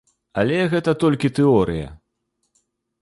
Але гэта толькі тэорыя.